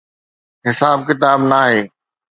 حساب ڪتاب ناهي.